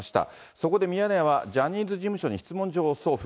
そこでミヤネ屋は、ジャニーズ事務所に質問状を送付。